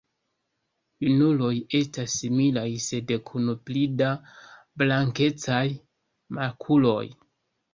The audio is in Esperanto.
Junuloj estas similaj sed kun pli da blankecaj makuloj.